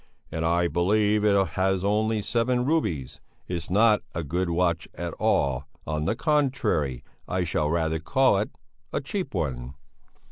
"And I believe it has only seven rubies it's not a good watch at all on the contrary I should rather call it a cheap one...."